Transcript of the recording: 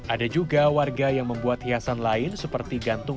ada juga warga yang membuat hiasan lain seperti gantungan umbul umbul ini